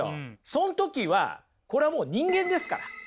その時はこれはもう人間ですから。